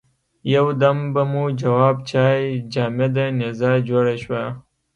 یو دم به مو جواب چای جامده نيزه جوړه شوه.